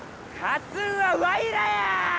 勝つんはワイらや！